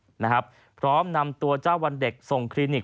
ชื่อเจ้าวันเด็กนะครับพร้อมนำตัวเจ้าวันเด็กส่งคลินิก